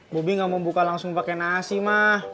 bobi gak mau buka langsung pakai nasi mah